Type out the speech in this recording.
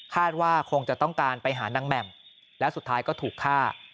ว่าคงจะต้องการไปหานางแหม่มและสุดท้ายก็ถูกฆ่า